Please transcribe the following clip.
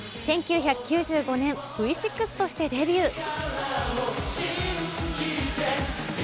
１９９５年、Ｖ６としてデビュー。